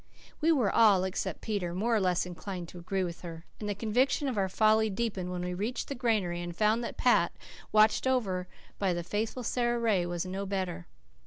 We were all, except Peter, more or less inclined to agree with her. And the conviction of our folly deepened when we reached the granary and found that Pat, watched over by the faithful Sara Ray, was no better.